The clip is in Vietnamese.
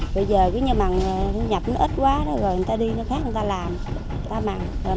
bây giờ mặn nhập ít quá người ta đi khác người ta làm người ta mặn